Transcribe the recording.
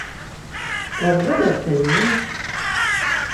Gagzalasen-i?